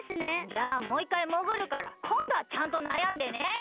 じゃあもういっかいもぐるからこんどはちゃんとなやんでね！